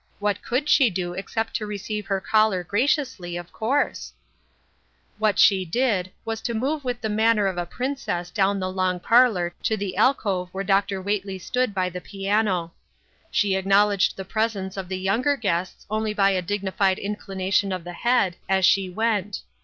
What could she do except to receive her caller graciously, of course ? What she did, was to move with the manner of a princess down the long parlor to the alcove where Dr. Whately stood by the piano. She ac knowledged the presence of the younger guests only by a dignified inclination of the head as she went.